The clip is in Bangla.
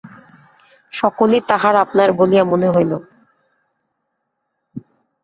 সকলই তাহার আপনার বলিয়া মনে হইল।